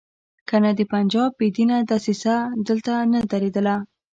کنه د پنجاب بې دینه دسیسه دلته نه درېدله.